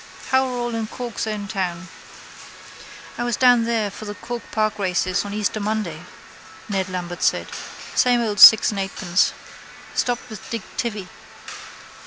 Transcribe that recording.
How are all in Cork's own town? —I was down there for the Cork park races on Easter Monday, Ned Lambert said. Same old six and eightpence. Stopped with Dick Tivy.